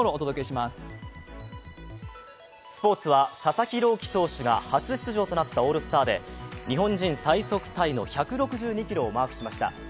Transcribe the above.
スポーツは佐々木朗希投手が初出場となったオールスターで日本人最速タイの１６２キロをマークしました。